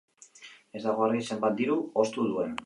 Ez dago argi zenbat diru ostu duen.